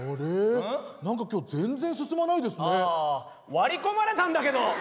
割り込まれたんだけど！